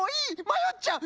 まよっちゃう！